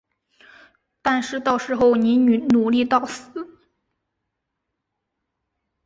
但是到时候你努力到死